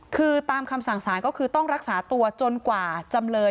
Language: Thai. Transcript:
คือตามคำสั่งสารก็คือต้องรักษาตัวจนกว่าจำเลย